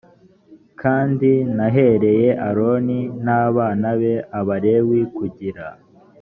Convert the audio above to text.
kandi nahereye aroni n abana be abalewi kugira